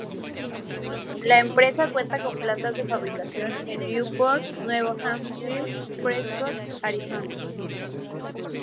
La empresa cuenta con plantas de fabricación en Newport, Nuevo Hampshire y Prescott, Arizona.